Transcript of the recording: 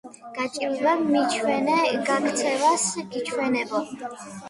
გაჭირვება მიჩვენე, გაქცევას გიჩვენებო.